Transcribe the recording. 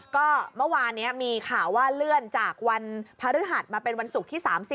ก็เมื่อวานนี้มีข่าวว่าเลื่อนจากวันพฤหัสมาเป็นวันศุกร์ที่๓๐